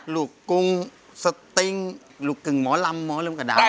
ลูกกรุงสติงลูกกึ่งหมอลำหมอลำกระดาษ